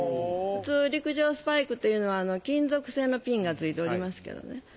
普通陸上スパイクというのは金属製のピンがついておりますけどね